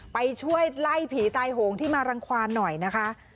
ไปช่วยไล่ผีตายโหงที่มารังความหน่อยนะคะ